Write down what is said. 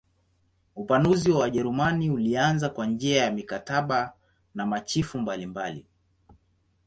Upanuzi wa Wajerumani ulianza kwa njia ya mikataba na machifu mbalimbali.